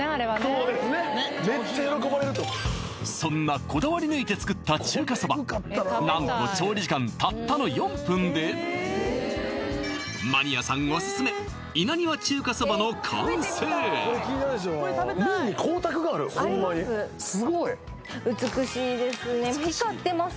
そうですねめっちゃ喜ばれるとそんなこだわりぬいて作った中華そば何と調理時間たったの４分でマニアさんオススメ稲庭中華そばの完成ありますホンマにすごい光ってます